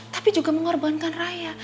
tapi juga mengorbankan raya